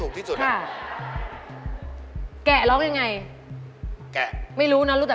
อ้าวแล้วแพ้ร้องไงคะพี่นุ้ย